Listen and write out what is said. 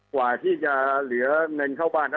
กว่าที่จะเหลือเงินเข้าบ้าน